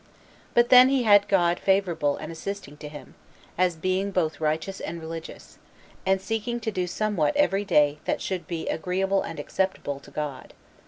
But then he had God favorable and assisting to him, as being both righteous and religious, and seeking to do somewhat every day that should be agreeable and acceptable to God.